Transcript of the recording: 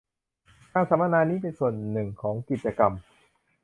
การสัมมนานี้เป็นส่วนหนึ่งของกิจกรรม